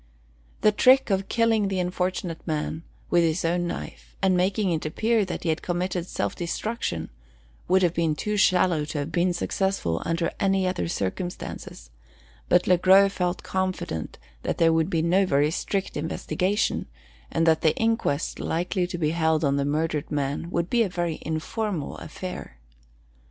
The trick of killing the unfortunate man with his own knife, and making it appear that he had committed self destruction, would have been too shallow to have been successful under any other circumstances; but Le Gros felt confident that there would be no very strict investigation; and that the inquest likely to be held on the murdered man would be a very informal affair.